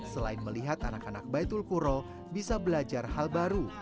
selain melihat anak anak baitul kuro bisa belajar hal baru